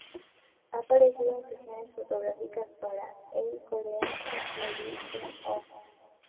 Ha aparecido en sesiones fotográficas para "Elle Korea" junto a Lee Jun-ho.